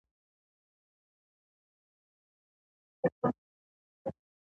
هغه له څو سرتیرو سره روان سو؟